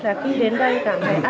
là khi đến đây cả ngày